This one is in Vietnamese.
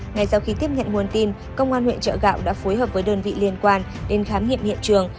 ngay sau khi tiếp nhận nguồn tin công an huyện chợ gạo đã phối hợp với đơn vị liên quan đến khám nghiệm hiện trường